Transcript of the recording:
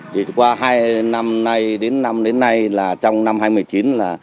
thì qua hai năm nay đến năm đến nay là trong năm hai nghìn một mươi chín là